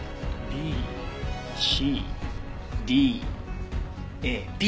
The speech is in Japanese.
ＢＣＤＡ。